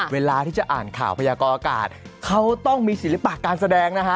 เวลาที่จะอ่านข่าวพยากรอากาศเขาต้องมีศิลปะการแสดงนะฮะ